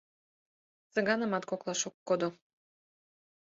Цыганымат коклаш ок кодо.